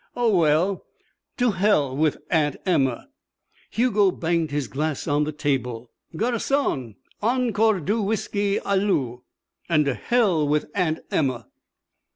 Oh, well, to hell with Aunt Emma." Hugo banged his glass on the table. "Garçon! Encore deux whiskey à l'eau and to hell with Aunt Emma."